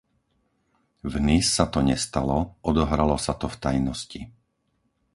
V Nice sa to nestalo, odohralo sa to v tajnosti.